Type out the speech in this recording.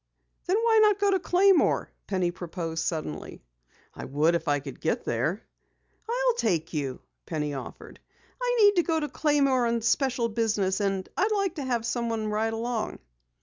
"Then why not go to Claymore?" Penny proposed suddenly. "I would if I could get there." "I'll take you," Penny offered. "I need to go to Claymore on special business, and I'd like to have someone ride along."